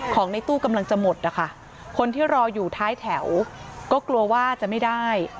ของในตู้กำลังจะหมดนะคะ